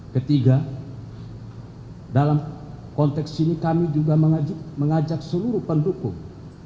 ketiga dalam konteks ini kami juga mengajak seluruh pendukung